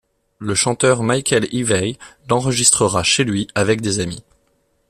Le chanteur Michael Ivey l'enregistrera chez lui avec des amis.